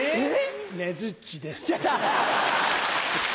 ねづっちです。